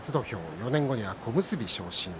４年後には小結昇進。